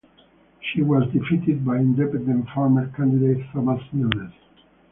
She was defeated by Independent Farmer candidate Thomas Milnes.